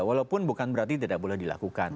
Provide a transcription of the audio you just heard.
walaupun bukan berarti tidak boleh dilakukan